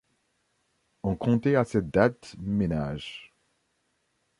On comptait à cette date ménages.